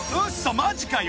マジかよ。